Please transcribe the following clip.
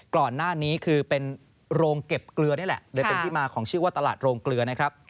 ก่อนหน้านี้คือเป็นโรงเก็บเกลือนี่แหละเลยเป็นที่มาของชื่อว่าตลาดโรงเกลือนะครับ